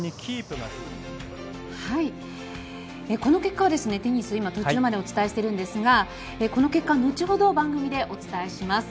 この結果はテニス途中までお伝えしたんですがこの結果は後ほど番組でお伝えします。